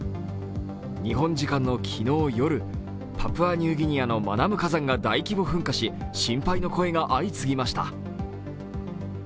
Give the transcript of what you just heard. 日本時間の昨日夜、パプアニューギニアのマナム火山が大規模噴火し、心配の声が相次ぎました。